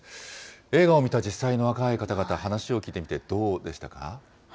映画を見た実際の若い方々、話を聞いてみてどうでしたか。